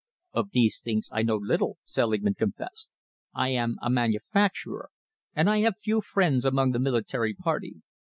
"Of these things I know little," Selingman confessed, "I am a manufacturer, and I have few friends among the military party.